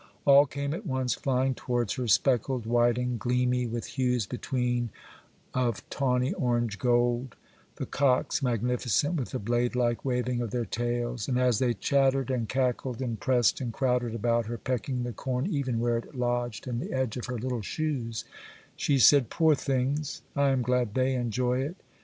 All came at once flying towards her,—speckled, white, and gleamy with hues between of tawny orange gold,—the cocks, magnificent with the blade like waving of their tails,—and, as they chattered and cackled and pressed and crowded about her, pecking the corn even where it lodged in the edge of her little shoes, she said, 'Poor things, I am glad they enjoy it!